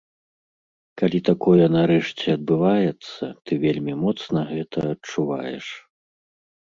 Калі такое нарэшце адбываецца, ты вельмі моцна гэта адчуваеш.